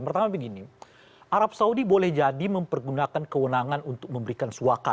pertama begini arab saudi boleh jadi mempergunakan kewenangan untuk memberikan suaka